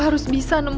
haris akan tahu